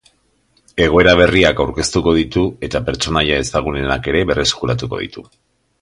Egoera berriak aurkeztuko ditu, eta pertsonaia ezagunenak ere berreskuratuko ditu.